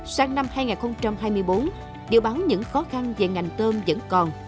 sáng năm hai nghìn hai mươi bốn điều báo những khó khăn về ngành tôm vẫn còn